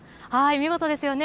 見事ですね。